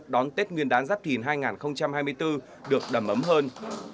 đón tết nguyên đán giáp thìn hai nghìn hai mươi bốn được đầm ấm hơn